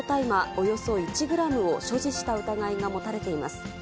およそ１グラムを所持した疑いが持たれています。